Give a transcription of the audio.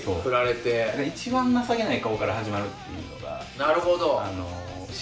なるほど。